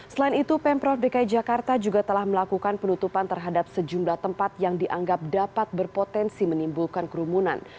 selain itu pemprov dki jakarta juga telah melakukan penutupan terhadap sejumlah tempat yang dianggap dapat berpotensi menimbulkan kerumunan